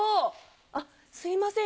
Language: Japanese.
あっすいません